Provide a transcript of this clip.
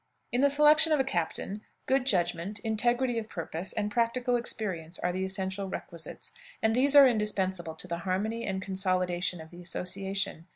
In the selection of a captain, good judgment, integrity of purpose, and practical experience are the essential requisites, and these are indispensable to the harmony and consolidation of the association.